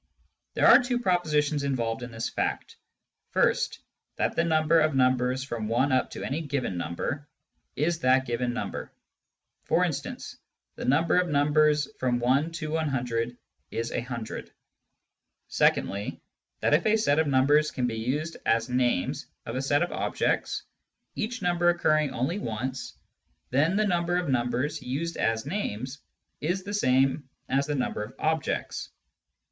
There are two propositions involved in this fact : first, that the number of numbers from I up to any given number is that given number — for instance, the number of numbers from i to 100 is a hundred ; secondly, that if a set of numbers can be used as names of a set of objects, each number occurring only once, then the number of numbers used as names is the same as the number of objects.